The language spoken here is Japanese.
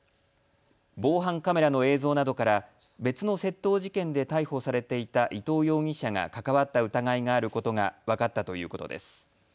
防犯カメラの映像などから別の窃盗事件で逮捕されていた伊藤容疑者が関わった疑いがあることが分かったということです。